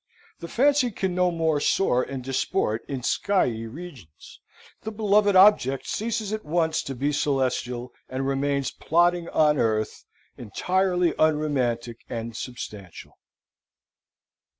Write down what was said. The fancy can no more soar and disport in skyey regions, the beloved object ceases at once to be celestial, and remains plodding on earth, entirely unromantic and substantial.